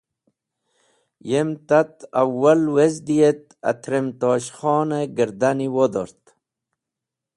Yem tat awwal wezdi et atrem Tosh Khon gardani wodort.